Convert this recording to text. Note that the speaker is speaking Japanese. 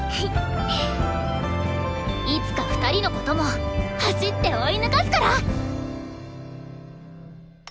いつか２人のことも走って追い抜かすから！